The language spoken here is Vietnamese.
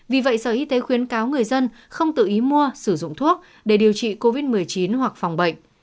vì vậy sở y tế khuyến cáo người dân không tự ý mua sử dụng thuốc để điều trị covid một mươi chín hoặc phòng bệnh